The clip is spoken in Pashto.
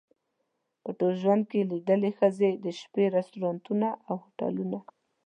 په ټول ژوند کې لیدلې ښځې د شپې رستورانتونه او هوټلونه.